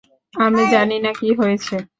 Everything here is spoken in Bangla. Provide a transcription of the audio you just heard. আমি জানি না কি হয়েছে?